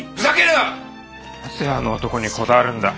なぜあの男にこだわるんだ？